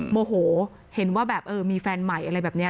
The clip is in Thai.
โมโหเห็นว่าแบบเออมีแฟนใหม่อะไรแบบนี้